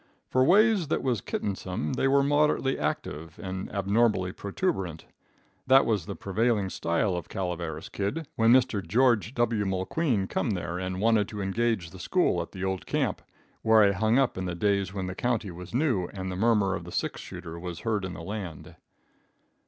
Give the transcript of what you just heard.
For ways that was kittensome they were moderately active and abnormally protuberant. That was the prevailing style of Calaveras kid, when Mr. George W. Mulqueen come there and wanted to engage the school at the old camp, where I hung up in the days when the country was new and the murmur of the six shooter was heard in the land.